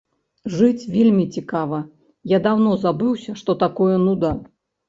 Жыць вельмі цікава, я даўно забыўся, што такое нуда.